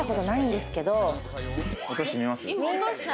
落としてみます？